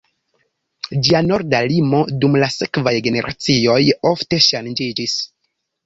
Ĝia norda limo dum la sekvaj generacioj ofte ŝanĝiĝis.